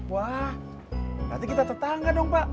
wah nanti kita tetangga dong pak